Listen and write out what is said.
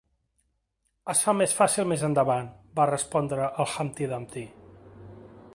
"Es fa més fàcil més endavant", va respondre el Humpty Dumpty.